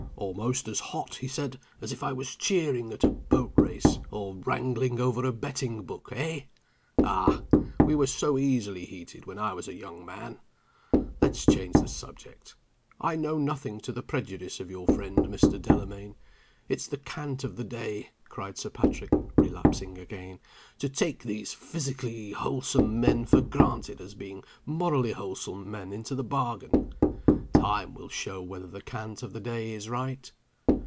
"Almost as hot," he said, "as if I was cheering at a boat race, or wrangling over a betting book eh? Ah, we were so easily heated when I was a young man! Let's change the subject. I know nothing to the prejudice of your friend, Mr. Delamayn. It's the cant of the day," cried Sir Patrick, relapsing again, "to take these physically wholesome men for granted as being morally wholesome men into the bargain. Time will show whether the cant of the day is right.